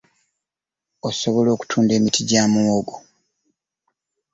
Osobola okutunda emiti gya muwogo